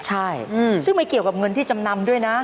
ใช่ซึ่งไม่เกี่ยวกับเงินที่จำนำด้วยนะ